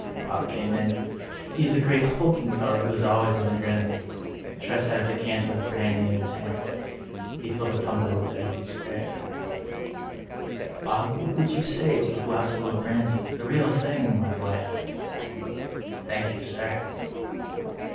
Bob came in. He is a great hulking fellow who is always on the grin. Tress had a decanter of brandy in his hand. He filled a tumbler with the neat spirit " Bob, what would you say to a glassful of brandy — ^the real thing — ^my boy ?" "Thank you, sir."